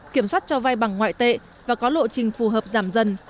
kiểm soát cho vai bằng ngoại tệ và có lộ trình phù hợp giảm dần